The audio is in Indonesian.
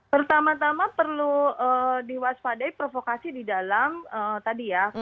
pertama tama perlu diwaspadai provokasi di dalam tadi ya